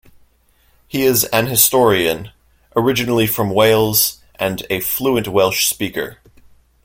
He is an historian, originally from Wales and a fluent Welsh speaker.